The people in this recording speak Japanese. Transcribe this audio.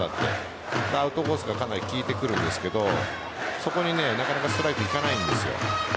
アウトコースがかなり効いてくるんですがそこになかなかストライクいかないんです。